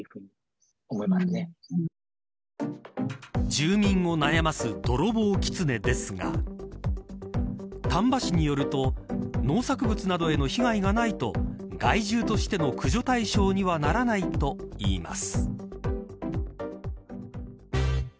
住民を悩ます泥棒キツネですが丹波市によると農作物などへの被害がないと害獣としての駆除対象にはならないといいます。